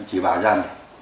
chỉ bảo dành